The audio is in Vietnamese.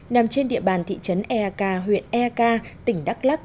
nằm trên địa bàn thị trấn eak huyện eak tỉnh đắk lắc